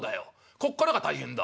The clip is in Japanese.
こっからが大変だ」。